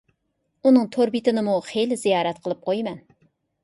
ئۇنىڭ تور بېتىنىمۇ خىلى زىيارەت قىلىپ قويىمەن.